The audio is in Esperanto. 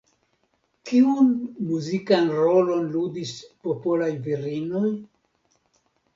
Kiun muzikan rolon ludis popolaj virinoj?